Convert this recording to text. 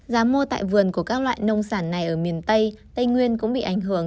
giá mua tại vườn của các loại nông sản này ở miền tây tây nguyên cũng bị ảnh hưởng